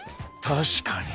確かに！